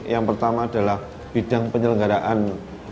yang pertama adalah bidang penyelenggaraan